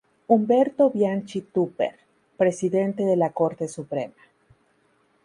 Humberto Bianchi Tupper, presidente de la Corte Suprema.